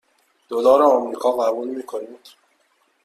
دلار آمریکا قبول می کنید؟